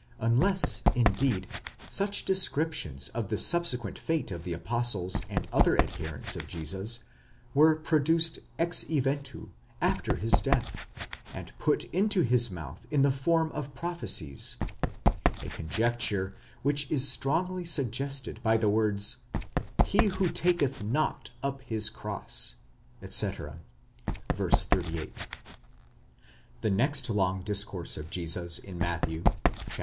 unless, indeed, such descriptions of the subsequent fate of the apostles and other adherents of Jesus were produced ex eventu, after his death, and put into his mouth in the form of prophecies; a conjecture which is strongly suggested by the words, He who taketh not up his cross, etc. (v. 38).° The next long discourse of Jesus in Matthew (chap.